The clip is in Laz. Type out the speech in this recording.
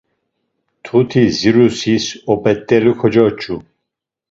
Mtuti dzirusis op̌et̆elu kocoç̌u.